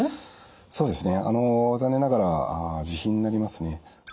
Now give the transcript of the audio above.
そうですね残念ながら自費になりますね。